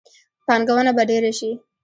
پانګونه به ډیره شي.